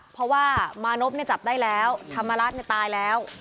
เพราะว่ามานพเนี่ยจับได้แล้วธรรมรัสเนี่ยตายแล้ว